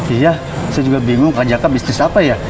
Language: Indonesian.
iya saya juga bingung kang jakar bisnis apa ya